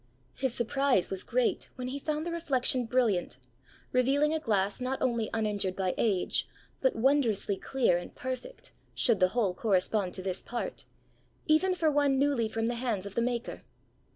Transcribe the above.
His surprise was great when he found the reflection brilliant, revealing a glass not only uninjured by age, but wondrously clear and perfect (should the whole correspond to this part) even for one newly from the hands of the maker.